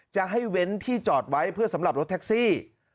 จะให้เว้นที่จอดไว้เพื่อสำหรับรถแท็กซี่